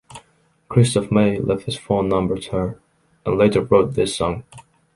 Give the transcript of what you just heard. Christophe Maé left his phone number to her and later wrote this song.